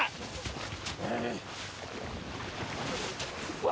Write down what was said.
うわ！